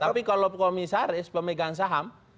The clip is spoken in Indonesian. tapi kalau komisaris pemegang saham